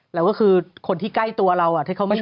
เราก็คือคนที่ใกล้ตัวเราอ่ะถ้าเขาไม่มี